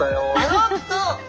おおっと！